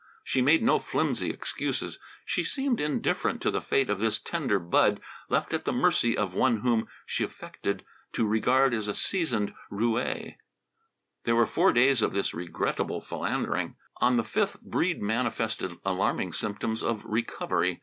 She made no flimsy excuses. She seemed indifferent to the fate of this tender bud left at the mercy of one whom she affected to regard as a seasoned roué. There were four days of this regrettable philandering. On the fifth Breede manifested alarming symptoms of recovery.